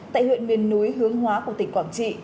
tại huyện miền núi hướng hóa của tỉnh quảng trị